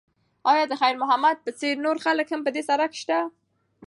ایا د خیر محمد په څېر نور خلک هم په دې سړک شته؟